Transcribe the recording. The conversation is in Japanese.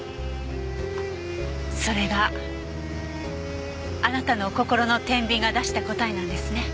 それがあなたのお心の天秤が出した答えなんですね。